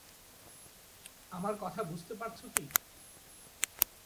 আমার কথা বুঝতে পারছ কি।